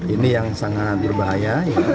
ini yang sangat berbahaya